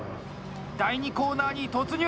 第２コーナーに突入！